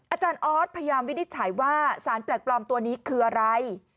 อาจารย์ออสพยายามวินิจฉัยว่าสารแปลกปลอมตัวนี้คืออะไร